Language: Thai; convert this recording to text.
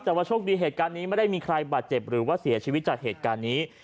แต่ว่าโชคดีเหตุการณ์นี้ไม่ได้มีใครบาดเจ็บหรือว่าเสียชีวิตจากเหตุการณ์นี้